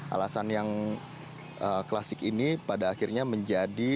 alasan yang klasik ini pada akhirnya menjadi